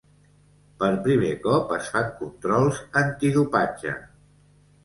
Per primer cop es fan controls antidopatge.